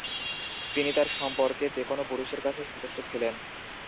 তিনি তার সম্পর্কে যে কোন পুরুষের কাছে সন্তুষ্ট ছিলেন।